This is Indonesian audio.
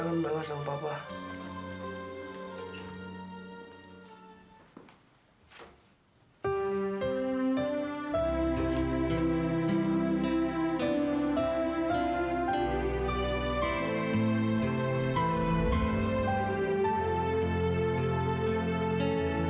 kamu dia namanya apa sih deh